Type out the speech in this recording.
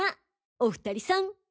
お２人さん？